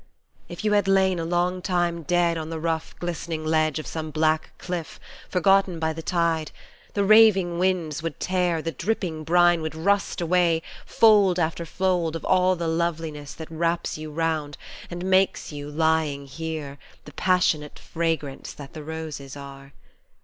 If you had lain A long time dead on the rough, glistening ledge Of some black cliff, forgotten by the tide, The raving winds would tear, the dripping brine would rust away Fold after fold of all the loveliness That wraps you round, and makes you, lying here, The passionate fragrance that the roses are.